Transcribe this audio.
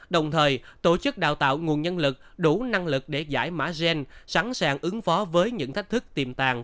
đồng thời tổ chức đào tạo nguồn nhân lực đủ năng lực để giải mã gen sẵn sàng ứng phó với những thách thức tiềm tàng